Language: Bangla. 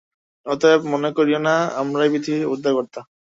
অতএব মনে করিও না, আমরাই পৃথিবীর উদ্ধারকর্তা।